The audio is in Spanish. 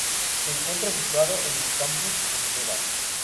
Se encuentra situado en el Campus Esgueva.